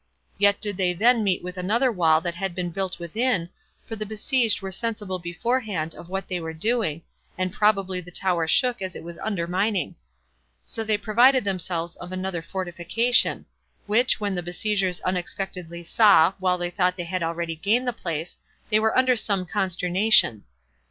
Yet did they then meet with another wall that had been built within, for the besieged were sensible beforehand of what they were doing, and probably the tower shook as it was undermining; so they provided themselves of another fortification; which when the besiegers unexpectedly saw, while they thought they had already gained the place, they were under some consternation.